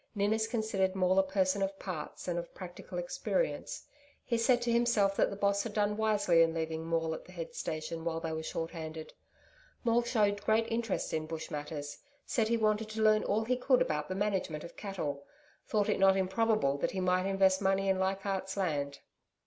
Ninnis considered Maule a person of parts and of practical experience. He said to himself that the Boss had done wisely in leaving Maule at the head station while they were short handed. Maule showed great interest in Bush matters said he wanted to learn all he could about the management of cattle thought it not improbable that he might invest money in Leichardt's Land.